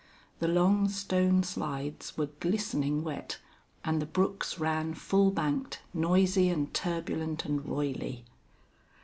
The long stone slides were glistening wet, and the brooks ran full banked, noisy and turbulent and roily.